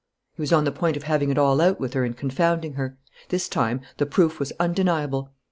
He was on the point of having it all out with her and confounding her. This time, the proof was undeniable.